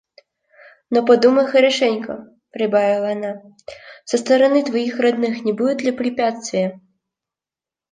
«Но подумай хорошенько, – прибавила она, – со стороны твоих родных не будет ли препятствия?»